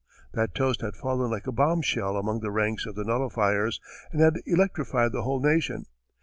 That toast had fallen like a bombshell among the ranks of the nullifiers, and had electrified the whole Nation.